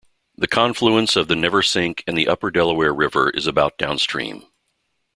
The confluence of the Neversink and the upper Delaware River is about downstream.